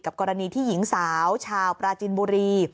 กรณีที่หญิงสาวชาวปราจินบุรี